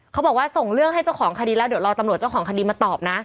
เขาบอกว่าส่งเรื่องให้เจ้าของคดีแล้วเดี๋ยวรอตำรวจเจ้าของคดีมาตอบนะ